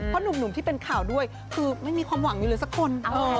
เพราะหนุ่มที่เป็นข่าวด้วยคือไม่มีความหวังอยู่เลยสักคน